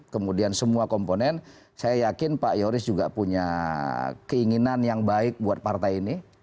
kemudian semua komponen saya yakin pak yoris juga punya keinginan yang baik buat partai ini